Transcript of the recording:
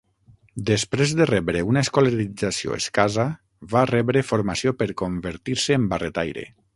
Després de rebre una escolarització escassa, va rebre formació per convertir-se en barretaire.